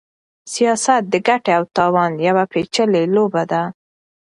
سياست د ګټې او تاوان يوه پېچلې لوبه ده.